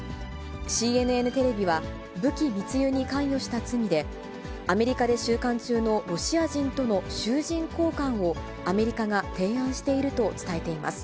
ＣＮＮテレビは、武器密輸に関与した罪で、アメリカで収監中のロシア人との囚人交換をアメリカが提案していると伝えています。